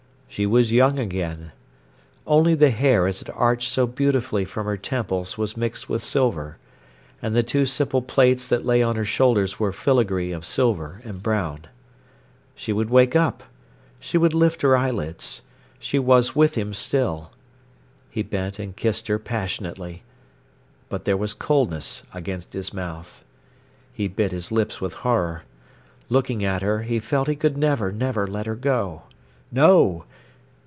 She was young again. Only the hair as it arched so beautifully from her temples was mixed with silver, and the two simple plaits that lay on her shoulders were filigree of silver and brown. She would wake up. She would lift her eyelids. She was with him still. He bent and kissed her passionately. But there was coldness against his mouth. He bit his lips with horror. Looking at her, he felt he could never, never let her go. No!